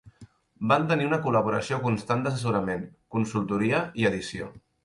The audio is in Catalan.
Van tenir una col·laboració constant d'assessorament, consultoria i edició.